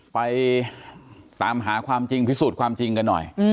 ไปตามหาความจริงพิสูจน์ความจริงกันหน่อย